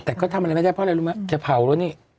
แต่ก็ทำอะไรไม่ได้เพราะอะไรรู้ไหมจะเผาแล้วนี่